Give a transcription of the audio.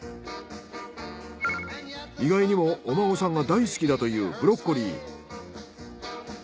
意外にもお孫さんが大好きだというブロッコリー。